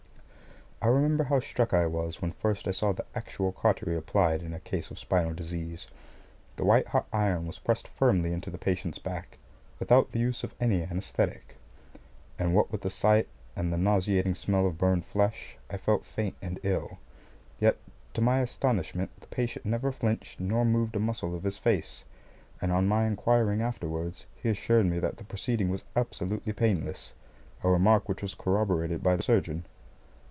I remember how struck I was when first I saw the actual cautery applied in a case of spinal disease. The white hot iron was pressed firmly into the patient's back, without the use of any anaesthetic, and what with the sight and the nauseating smell of burned flesh I felt faint and ill. Yet, to my astonishment, the patient never flinched nor moved a muscle of his face, and on my inquiring afterwards, he assured me that the proceeding was absolutely painless, a remark which was corroborated by the surgeon.